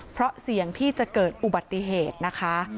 เพราะเสี่ยงที่จะเกิดอุบัติเหตุนะคะ